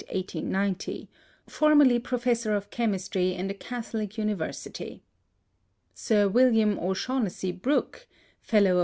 1890), formerly professor of chemistry in the Catholic University. Sir William O'Shaughnessy Brooke, F.